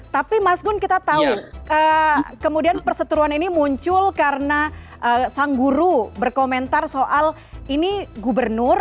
tapi mas gun kita tahu kemudian perseteruan ini muncul karena sang guru berkomentar soal ini gubernur